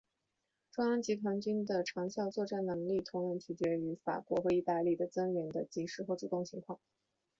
中央集团军群的长效作战能力同样取决于法国和意大利的增援的及时和主动情况。